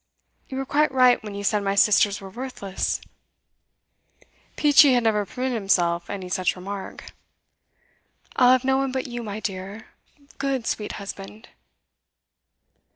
You were quite right when you said my sisters were worthless.' Peachey had never permitted himself any such remark. 'I will have no one but you, my dear, good, sweet husband.